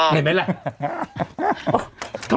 เดี๋ยวประชุมก่อน